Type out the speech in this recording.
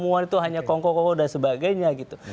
pertemuan itu hanya kongko kongko dan sebagainya